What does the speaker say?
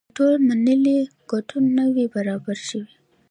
که ټول منلی ګډون نه وي برابر شوی.